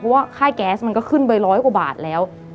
เพราะว่าค่ายแก๊สมันก็ขึ้นไปร้อยกว่าบาทแล้ว